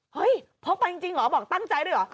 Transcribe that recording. เฮ้ยพกไปจริงเหรอบอกตั้งใจหรือ